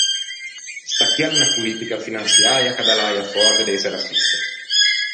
Sta chì a l’é unna politica finançiäia ch’a dà l’äia fòrte d’ëse rassista.